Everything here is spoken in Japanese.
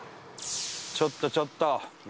ちょっとちょっと。